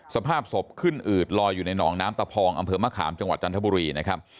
สภาพศพขึ้นอืดลอยอยู่ในหนองน้ำตะพองอำเภอมะขามจังหวัดจันทบุรีนะครับ